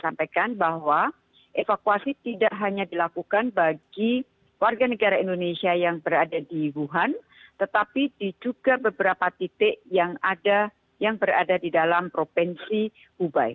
saya sampaikan bahwa evakuasi tidak hanya dilakukan bagi warga negara indonesia yang berada di wuhan tetapi di juga beberapa titik yang berada di dalam provinsi hubei